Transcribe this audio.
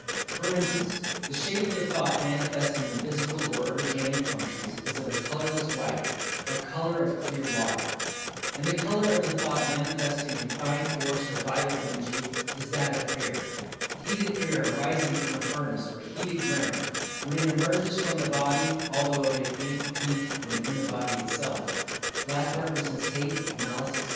For instance the shade of the thought manifesting in physical or organic functions, is of a colorless white, or "color of clear water"; and the color of the thought manifesting in Fine Force or Vital Energy, is that of air,—heated air arising from a furnace or heated ground—when it emerges from the body although of a faint pink when in the body itself. Black represents Hate, Malice, etc.